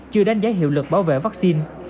chưa đánh giá hiệu lực bảo vệ vaccine